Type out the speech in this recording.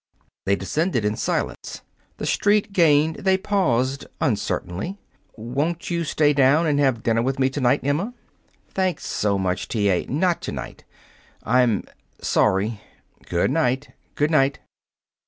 They descended in silence. The street gained, they paused uncertainly. "Won't you stay down and have dinner with me to night, Emma?" "Thanks so much, T. A. Not to night." "I'm sorry." "Good night." "Good night."